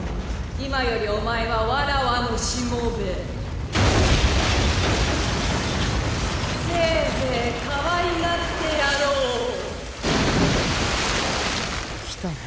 今よりお前は妾のしもべ・せいぜいかわいがってやろう来たね